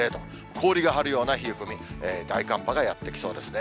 氷が張るような冷え込み、大寒波がやって来そうですね。